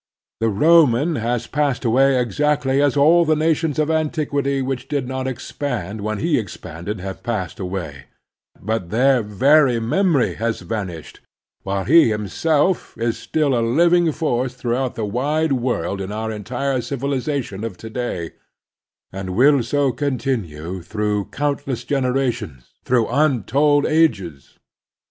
The Roman has passed away exactly as all the nations of antiquity which did not expand when he expanded have passed away; but their very memory has vanished, while he himself is still a living force throughout the wide world in our entire civiliza tion of to day, and will so continue through cotmt less generations, through untold ages.